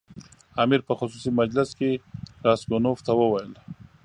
امیر په خصوصي مجلس کې راسګونوف ته وویل.